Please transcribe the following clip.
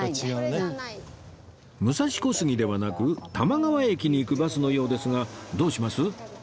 武蔵小杉ではなく多摩川駅に行くバスのようですがどうします？